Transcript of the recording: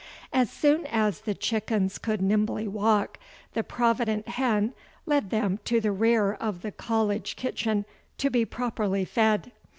As soon as the chickens could nimbly walk the provident hen led them to the rear of the college kitchen to be properly fed.